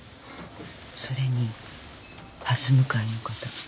それにはす向かいの方。